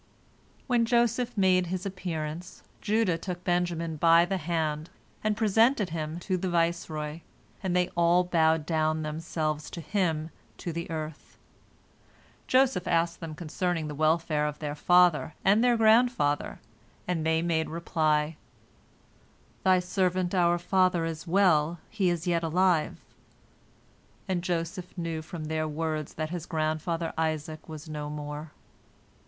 When Joseph made his appearance, Judah took Benjamin by the hand, and presented him to the viceroy, and they all bowed down themselves to him to the earth. Joseph asked them concerning the welfare of their father and their grandfather, and they made reply, "Thy servant our father is well; he is yet alive," and Joseph knew from their words that his grandfather Isaac was no more.